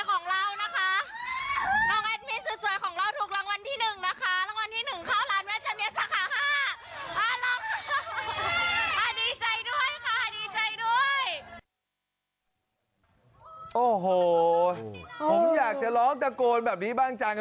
โอ้โหผมอยากจะร้องตะโกนแบบนี้บ้างจัง